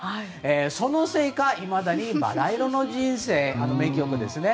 そのせいか、いまだに「バラ色の人生」名曲ですね。